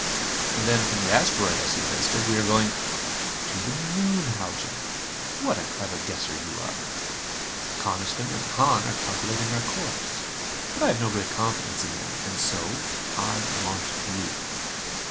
"And then, from the asteroid," I suggested, "we are going " "To the Moon, Haljan. What a clever guesser you are! Coniston and Hahn are calculating our course. But I have no great confidence in them. And so I want you."